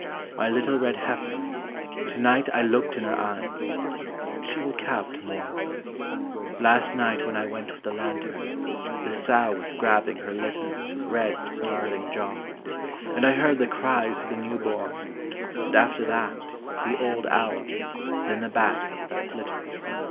My little red heifer, to night I looked in her eyes, She will calve to morrow: Last night when I went with the lantern, the sow was grabbing her litter With red, snarling jaws: and I heard the cries Of the new born, and after that, the old owl, then the bats that flitter.